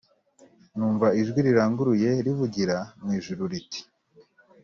Numva ijwi riranguruye rivugira mu ijuru riti